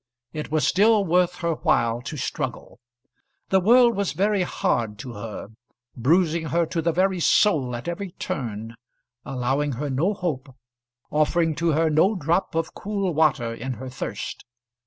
It was still worth her while to struggle. The world was very hard to her, bruising her to the very soul at every turn, allowing her no hope, offering to her no drop of cool water in her thirst.